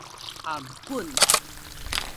頷頸